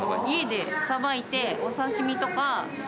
家でさばいて、お刺身とか。